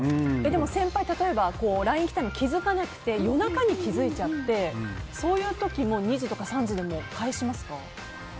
でも先輩で、例えばＬＩＮＥが来たのに気付かなくて夜中に気づいちゃってそういう時でも２時とか３時でも返しますか？